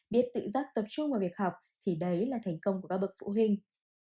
biết tự giác tập trung vào việc học thì đấy là thành công của các bậc phụ huynh